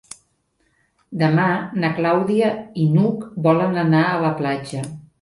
Demà na Clàudia i n'Hug volen anar a la platja.